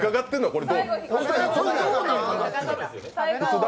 これ。